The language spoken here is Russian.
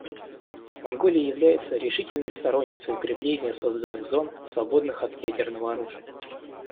Монголия является решительной сторонницей укрепления созданных зон, свободных от ядерного оружия.